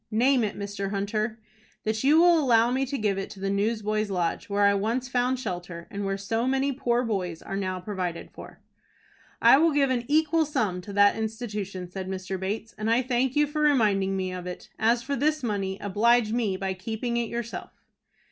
"Name it, Mr. Hunter." "That you will allow me to give it to the Newsboys' Lodge, where I once found shelter, and where so many poor boys are now provided for." "I will give an equal sum to that institution," said Mr. Bates, "and I thank you for reminding me of it. As for this money, oblige me by keeping it yourself."